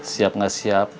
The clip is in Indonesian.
siap gak siap